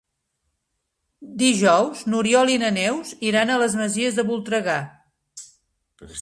Dijous n'Oriol i na Neus iran a les Masies de Voltregà.